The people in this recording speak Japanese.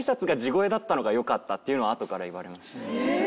っていうのはあとから言われましたね。